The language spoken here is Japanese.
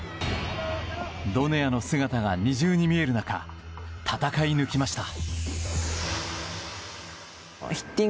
ドネアの姿が二重に見える中戦い抜きました。